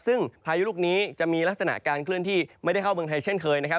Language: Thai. ซึ่งพายุลูกนี้จะมีลักษณะการเคลื่อนที่ไม่ได้เข้าเมืองไทยเช่นเคยนะครับ